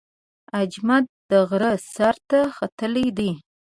اجمد د غره سر ته ختلی دی.